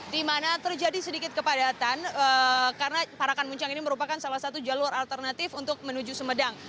di mana terjadi sedikit kepadatan karena parakan muncang ini merupakan salah satu jalur alternatif untuk menuju sumedang